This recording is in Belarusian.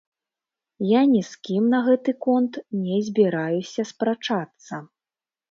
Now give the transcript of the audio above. Я ні з кім на гэты конт не збіраюся спрачацца.